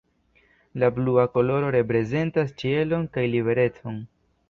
La blua koloro reprezentas ĉielon kaj liberecon.